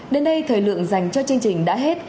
đến đây thời lượng dành cho chương trình đã hết